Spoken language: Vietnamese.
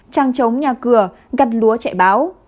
trăng trống nhà cửa gắt lúa chạy báo